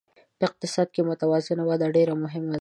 په اقتصاد کې متوازنه وده ډېره مهمه ده.